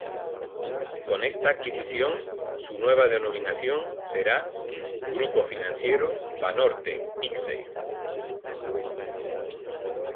Con esta adquisición, su nueva denominación será "Grupo Financiero Banorte-Ixe"